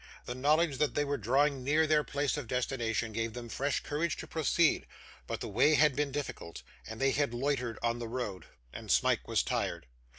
The knowledge that they were drawing near their place of destination, gave them fresh courage to proceed; but the way had been difficult, and they had loitered on the road, and Smike was tired.